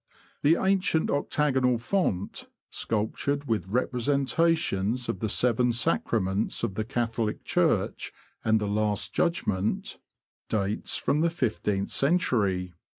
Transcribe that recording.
The ancient octagonal font, sculp tured with representations of the Seven Sacraments of the Catholic Church and the Last Judgment, dates 202 THE LAND OF THE BROADS. from the fifteenth century.